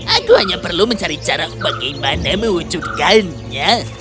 aku hanya perlu mencari cara bagaimana mewujudkannya